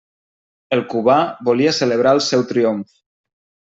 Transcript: El Cubà volia celebrar el seu triomf.